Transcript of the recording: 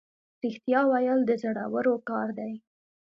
رښتیا ویل د زړورو خلکو کار دی.